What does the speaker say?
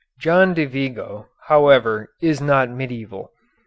John de Vigo, however, is not medieval.